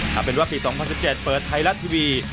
ถ้าเป็นว่าปี๒๐๑๗เปิดไทยรัฐทีวี